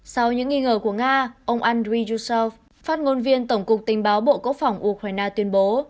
sau những nghi ngờ của nga ông andrei juster phát ngôn viên tổng cục tình báo bộ quốc phòng ukraine tuyên bố